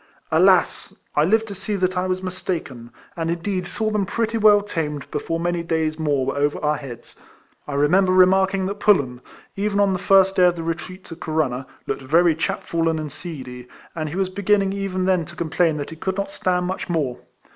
Alas! I lived to see that I was mistaken; and, indeed, saw them pretty well tamed before many days more were over our heads! I remember remarking that Pullen (even on the first day of the retreat to Corunna) looked very chapfallen and seedy ; and he was beginning even then to complain that he could not stand much more.